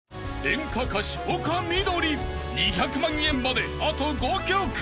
［演歌歌手丘みどり２００万円まであと５曲］